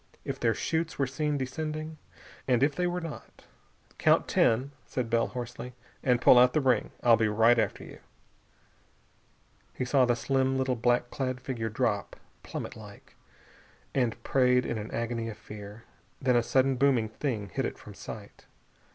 If their chutes were seen descending.... And if they were not.... "Count ten," said Bell hoarsely, "and pull out the ring. I'll be right after you." He saw the slim little black clad figure drop, plummetlike, and prayed in an agony of fear. Then a sudden blooming thing hid it from sight.